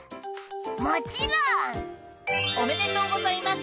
もちろん！おめでとうございます！